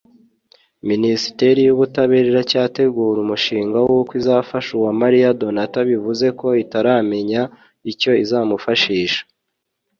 Minisiteri y’ Ubutabera iracyategura umushinga w’uko izafasha Uwamariya Donatha bivuze ko itaramenya icyo izamufashisha